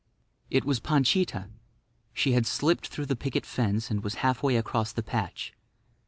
It was Panchita. She had slipped through the picket fence and was half way across the patch.